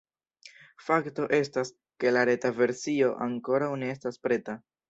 Fakto estas, ke la reta versio ankoraŭ ne estas preta.